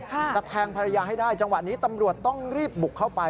แทงภรรยาให้ได้จังหวะนี้ตำรวจต้องรีบบุกเข้าไป